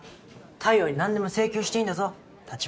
太陽に何でも請求していいんだぞ橘。